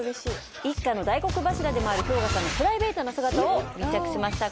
一家の大黒柱でもあるＨｙＯｇＡさんのプライベートな姿を密着しました。